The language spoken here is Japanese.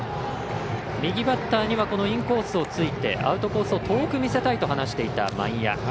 右バッターにはこのインコースをついてアウトコースを遠く見せたいと話していた、萬谷。